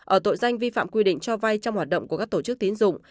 ở tội danh vi phạm quy định cho vay trong hoạt động của các tổ chức tín dụng